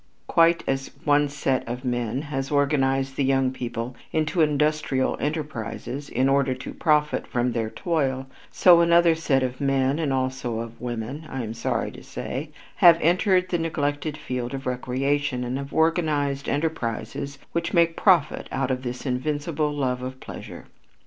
Quite as one set of men has organized the young people into industrial enterprises in order to profit from their toil, so another set of men and also of women, I am sorry to say, have entered the neglected field of recreation and have organized enterprises which make profit out of this invincible love of pleasure.